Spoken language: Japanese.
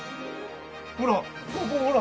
ほらここほら。